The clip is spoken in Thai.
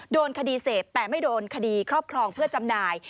โดนคดีเสพแต่ไม่โดนคดีครอบครองเพื่อจำหน่าย